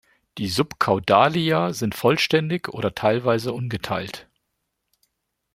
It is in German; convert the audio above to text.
Die Subcaudalia sind vollständig oder teilweise ungeteilt.